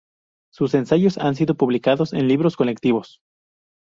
Sus ensayos han sido publicados en libros colectivos.